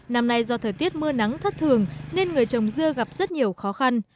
năm nay do thời tiết mưa nắng thất thường nên người trồng dưa gặp rất nhiều khó khăn